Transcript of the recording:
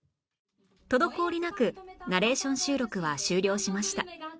滞りなくナレーション収録は終了しました